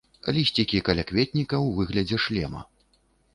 Лісцікі калякветніка ў выглядзе шлема.